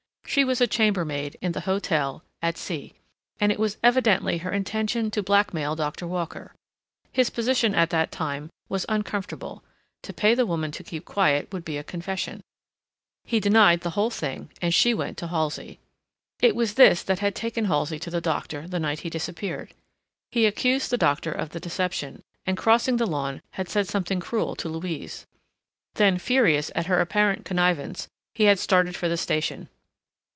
She was a chambermaid in the hotel at C—, and it was evidently her intention to blackmail Doctor Walker. His position at that time was uncomfortable: to pay the woman to keep quiet would be confession. He denied the whole thing, and she went to Halsey. It was this that had taken Halsey to the doctor the night he disappeared. He accused the doctor of the deception, and, crossing the lawn, had said something cruel to Louise. Then, furious at her apparent connivance, he had started for the station.